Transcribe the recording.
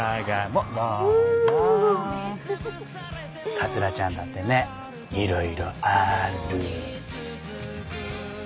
桂ちゃんだってねいろいろある。